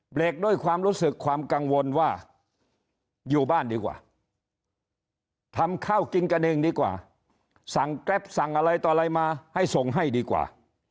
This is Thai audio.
เบรกด้วยความรู้สึกความกังวลว่าอยู่บ้านดีกว่าทำข้าวกินกันเองดีกว่าสั่งแกรปสั่งอะไรต่ออะไรมาให้ส่งให้ดีกว่า